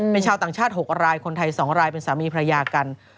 เป็นชาวต่างชาติ๖รายคนไทย๒รายเป็นสามีภรรยากัน